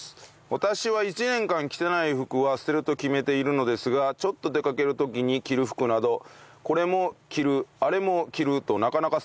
私は１年間着てない服は捨てると決めているのですがちょっと出かける時に着る服などこれも着るあれも着るとなかなか捨てる事ができません。